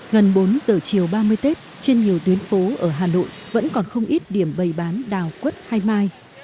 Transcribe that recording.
gần bốn giờ chiều ba mươi tết trên nhiều tuyến phố ở hà nội vẫn còn không ít điểm bày bán đào quất hay mai